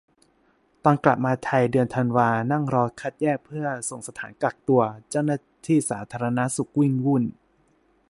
ตอนกลับมาไทย เดือนธันวา นั่งรอคัดแยกเพื่อส่งสถานกักตัว เจ้าหน้าที่สาธารณสุขวิ่งวุ่น